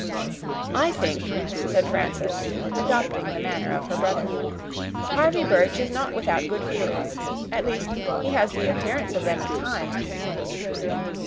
"I think," said Frances, adopting the manner of her brother, "Harvey Birch is not without good feelings; at least, he has the appearance of them at times."